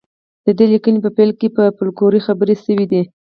د دې لیکنې په پیل کې په فولکلور خبرې شوې دي